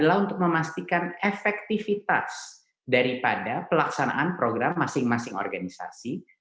adalah untuk memastikan efektivitas daripada pelaksanaan program masing masing organisasi